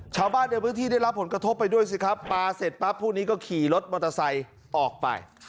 ชาวบ้านในพื้นที่ได้รับผลกระทบไปด้วยสิครับปลาเสร็จปั๊บผู้นี้ก็ขี่รถมอเตอร์ไซค์ออกไป